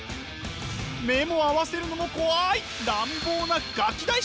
目も合わせるのも怖い乱暴なガキ大将。